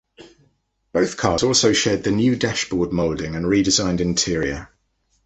Both cars also shared the new dashboard moulding and redesigned interior.